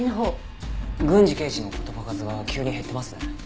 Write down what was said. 郡司刑事の言葉数が急に減ってますね。